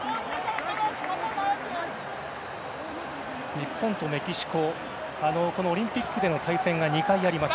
日本とメキシコオリンピックでの対戦が２回あります。